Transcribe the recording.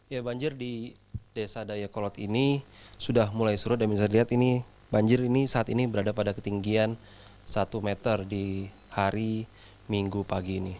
ya banjir di desa dayakolot ini sudah mulai surut dan bisa dilihat ini banjir ini saat ini berada pada ketinggian satu meter di hari minggu pagi ini